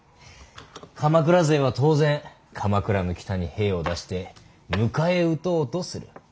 鎌倉勢は当然鎌倉の北に兵を出して迎え撃とうとする。